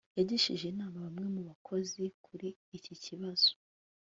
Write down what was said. yagishije inama bamwe mu bakozi kuri iki kibazo